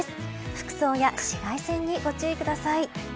服装や紫外線にご注意ください。